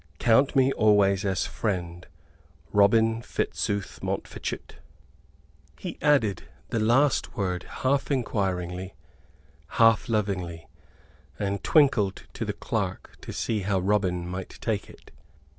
Count me always as friend, Robin Fitzooth Montfichet." He added the last word half enquiringly, half lovingly; and twinkled to the clerk to see how Robin might take it.